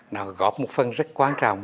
nó góp một phần rất quan trọng